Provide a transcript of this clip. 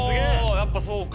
やっぱそうか。